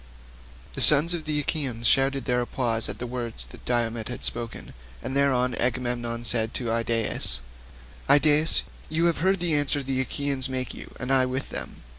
The sons of the Achaeans shouted applause at the words that Diomed had spoken, and thereon King Agamemnon said to Idaeus, "Idaeus, you have heard the answer the Achaeans make you and I with them.